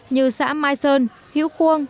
như xã mai sơn hiếu khuông